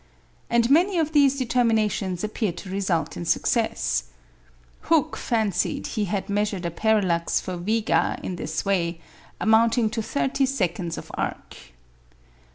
And many of these determinations appeared to result in success. Hooke fancied he had measured a parallax for Vega in this way, amounting to 30" of arc.